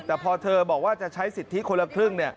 แต่พอเธอบอกว่าจะใช้สิทธิคนละครึ่ง